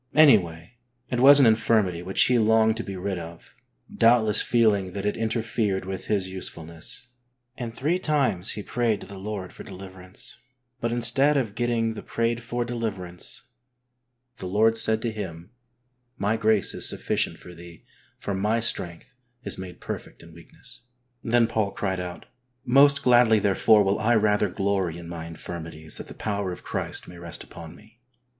Anyway, it was an infirmity which he longed to be rid of, doubt less feeling that it interfered with his usefulness, and three times he prayed to the Lord for deliverance, but instead of getting the prayed for deliverance, the Lord said to him, "My grace is sufficient for thee for My strength is made perfect in weakness.*' Then Paul cried out, "Most gladly, therefore, will I rather glory in my infirmities that the power of Christ may rest upon me.